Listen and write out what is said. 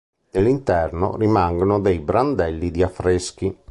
Dell'interno rimangono dei brandelli di affreschi.